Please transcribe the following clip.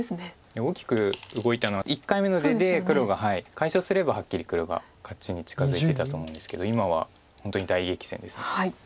大きく動いたのは１回目の出で黒が解消すればはっきり黒が勝ちに近づいていたと思うんですけど今は本当に大激戦です。